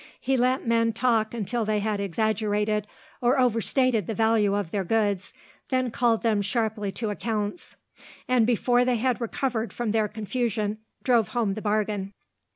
He let men talk until they had exaggerated or overstated the value of their goods, then called them sharply to accounts, and before they had recovered from their confusion drove home the bargain.